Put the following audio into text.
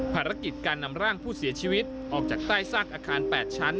ภารกิจการนำร่างผู้เสียชีวิตออกจากใต้ซากอาคาร๘ชั้น